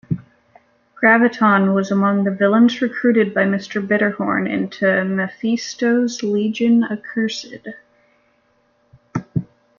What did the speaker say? Graviton was among the villains recruited by Mister Bitterhorn into Mephisto's Legion Accursed.